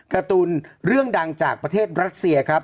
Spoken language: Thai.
การ์ตูนเรื่องดังจากประเทศรัสเซียครับ